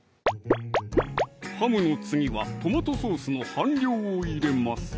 ハムの次はトマトソースの半量を入れます